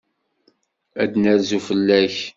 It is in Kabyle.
Ad d-nerzu fell-ak.